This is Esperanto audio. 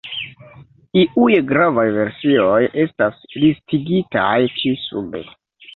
Iuj gravaj versioj estas listigitaj ĉi sube.